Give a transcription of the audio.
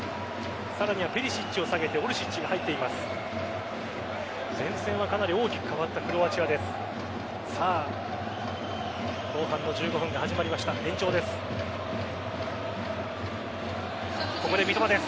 さらにはペリシッチを下げてオルシッチが入っています。